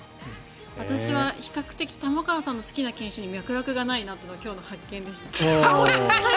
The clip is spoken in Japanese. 私は比較的、玉川さんの好きな犬種に脈絡がないなというのが今日の発見でした。